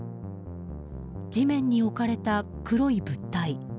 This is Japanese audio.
地面に置かれた黒い物体。